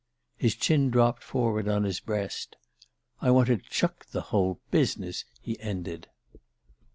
His chin dropped forward on his breast. "I want to chuck the whole business," he ended.